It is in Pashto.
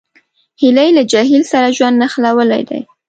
هیلۍ له جهیل سره ژوند نښلولی دی